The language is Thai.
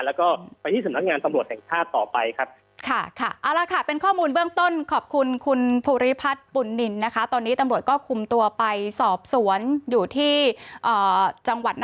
แล้วก็ไปที่สำนักงานตำรวจแห่งชาติต่อไปครับ